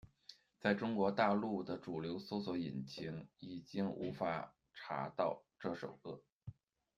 在中国大陆的主流搜索引擎上已经无法查到这首歌。